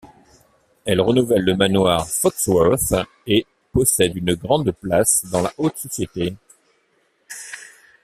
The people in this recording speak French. Elle renouvelle le manoir Foxworth et possède une grande place dans la haute société.